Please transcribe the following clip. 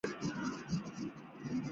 努力寻找正职机会